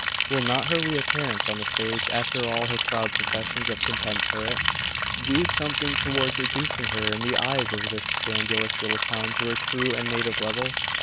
'Will not her reappearance on the stage, after all her proud professions of contempt for it, do something towards reducing her in the eyes of this scandalous little town to her true and native level?